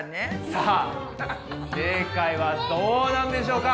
さあ正解はどうなんでしょうか？